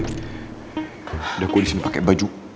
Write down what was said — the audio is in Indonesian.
udah gue disini pake baju